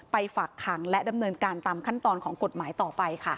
ฝากขังและดำเนินการตามขั้นตอนของกฎหมายต่อไปค่ะ